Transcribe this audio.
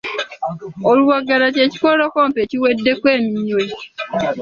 Oluwagala ky'ekikolokomba ekiweddeko eminwe.